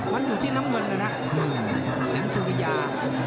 มันอยู่ที่น้ำเงินแล้วนะ